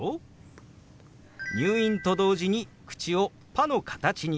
「入院」と同時に口を「パ」の形に。